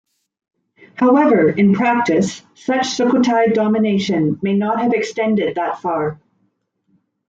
However, in practice, such Sukhothai domination may not have extended that far.